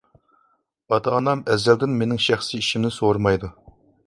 ئاتا-ئانام ئەزەلدىن مېنىڭ شەخسىي ئىشىمنى سورىمايدۇ.